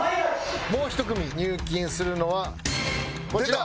もう１組入金するのはこちら！